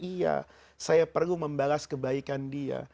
iya saya perlu membalas kebaikan dia